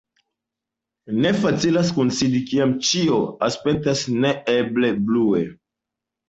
Ne facilas kunsidi, kiam ĉio aspektas neeble blue.